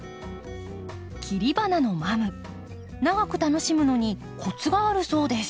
切り花のマム長く楽しむのにコツがあるそうです。